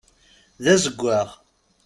D azeggaɣ.